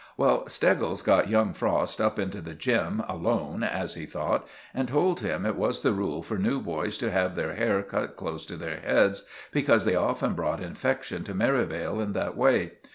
Well, Steggles got young Frost up into the gym. alone, as he thought, and told him it was the rule for new boys to have their hair cut close to their heads, because they often brought infection to Merivale in that way.